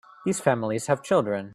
These families have children.